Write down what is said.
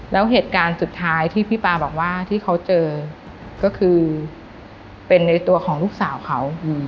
แล้วเหตุการณ์สุดท้ายที่พี่ปาบอกว่าที่เขาเจอก็คือเป็นในตัวของลูกสาวเขา